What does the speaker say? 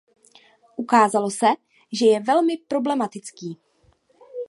Ukázalo se, že je velmi problematický.